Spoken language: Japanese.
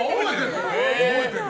覚えている。